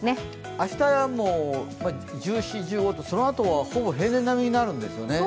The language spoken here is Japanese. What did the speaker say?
明日も１４、１５と、そのあとはほぼ平年並みになるんですよね。